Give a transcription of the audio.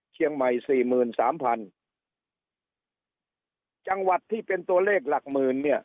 เชียงใหม่สี่หมื่นสามพันจังหวัดที่เป็นตัวเลขหลักหมื่นเนี่ย